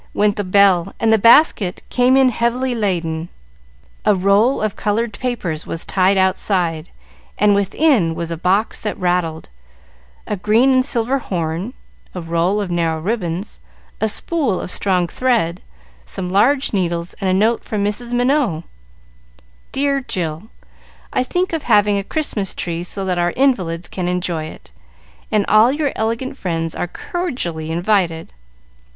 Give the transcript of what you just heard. went the bell, and the basket came in heavily laden. A roll of colored papers was tied outside, and within was a box that rattled, a green and silver horn, a roll of narrow ribbons, a spool of strong thread, some large needles, and a note from Mrs. Minot: "Dear Jill, I think of having a Christmas tree so that our invalids can enjoy it, and all your elegant friends are cordially invited.